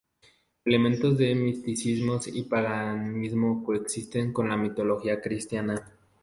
Elementos de misticismo y paganismo coexisten con la mitología cristiana.